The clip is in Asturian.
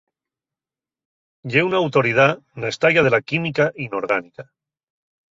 Ye una autoridá na estaya de la química inorgánica.